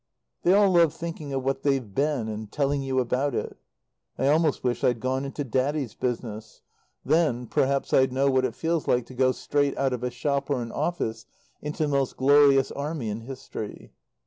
They all love thinking of what they've been and telling you about it. I almost wish I'd gone into Daddy's business. Then perhaps I'd know what it feels like to go straight out of a shop or an office into the most glorious Army in history.